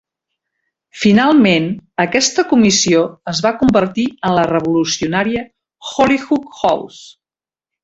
Finalment, aquesta comissió es va convertir en la revolucionària Hollyhock House.